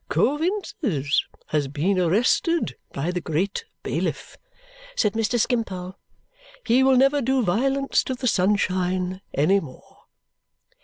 "Coavinses has been arrested by the Great Bailiff," said Mr. Skimpole. "He will never do violence to the sunshine any more."